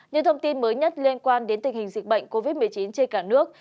những thông tin mới nhất liên quan đến tình hình dịch bệnh covid một mươi chín trên cả nước